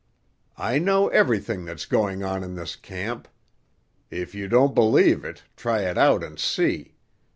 "I know everything that's going on in this camp. If you don't believe it, try it out and see.